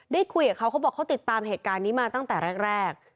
ได้คุยกับเขาเขาบอกเขาติดตามเหตุการณ์นี้มาตั้งแต่แรก